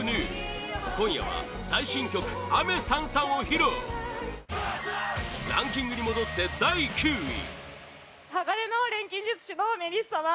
今夜は最新曲「雨燦々」を披露ランキングに戻って第９位